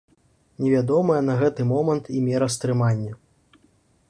Невядомая на гэты момант і мера стрымання.